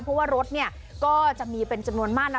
เพราะว่ารถเนี่ยก็จะมีเป็นจำนวนมากนะ